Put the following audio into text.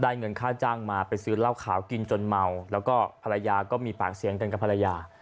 เงินค่าจ้างมาไปซื้อเหล้าขาวกินจนเมาแล้วก็ภรรยาก็มีปากเสียงกันกับภรรยา